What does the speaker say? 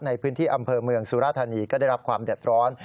ในพื้นที่อำเภอเมืองสุราธานีก็ได้รับความเดือดร้อน